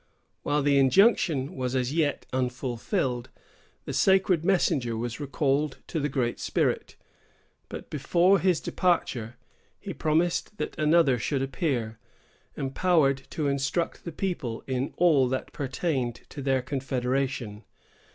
While the injunction was as yet unfulfilled, the sacred messenger was recalled to the Great Spirit; but, before his departure, he promised that another should appear, empowered to instruct the people in all that pertained to their confederation.